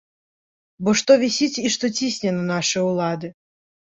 Бо што вісіць і што цісне на нашы ўлады?